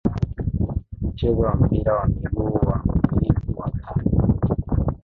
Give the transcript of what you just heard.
Mchezaji wa mpira wa miguu wa Ugiriki wa Kale